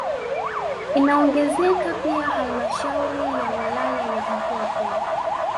Inaongezeka pia halmashauri ya wilaya ya Mpwapwa